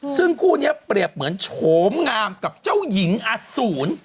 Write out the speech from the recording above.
ซึ่งคู่นี้เปรียบเหมือนโฉมงามกับเจ้าหญิงอสูร